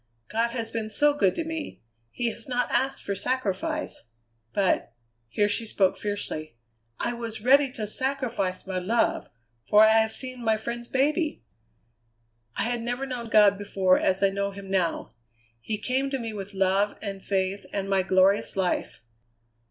God has been so good to me he has not asked for sacrifice; but" here she spoke fiercely "I was ready to sacrifice my love for I had seen my friend's baby! "I had never known God before as I know him now. He came to me with love and faith and my glorious life.